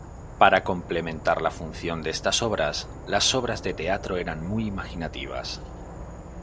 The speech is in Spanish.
Para complementar la función de estas obras, las obras de teatro eran muy imaginativas.